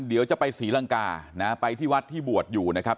เดี๋ยวจะไปศรีลังกานะไปที่วัดที่บวชอยู่นะครับ